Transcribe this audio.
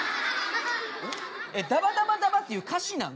えっ「ダバダバダバ」っていう歌詞なん？